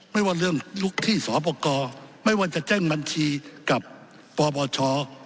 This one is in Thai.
ไม่ว่าเรื่องลุกที่สอปกรไม่ว่าจะแจ้งบัญชีกับปปช